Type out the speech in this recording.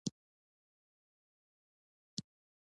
افغانستان کې د فاریاب د پرمختګ هڅې روانې دي.